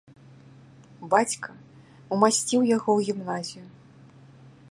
Бацька ўмасціў яго ў гімназію.